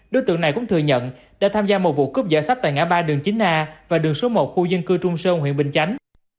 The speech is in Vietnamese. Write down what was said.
đối tượng này cũng thừa nhận đã tham gia một vụ cướp dật sách tại ngã ba đường chín a và đường số một khu dân cư trung sơn huyện bình chánh